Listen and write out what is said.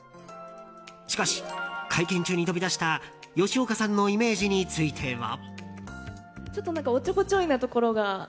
しかし、会見中に飛び出した吉岡さんのイメージについては。